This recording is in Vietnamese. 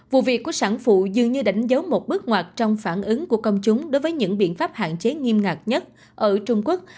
vụ việc của sản phụ dường như đánh dấu một bước ngoặt trong phản ứng của công chúng đối với những biện pháp hạn chế nghiêm ngặt nhất ở trung quốc